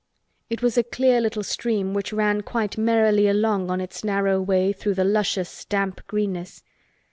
It was a clear little stream which ran quite merrily along on its narrow way through the luscious damp greenness.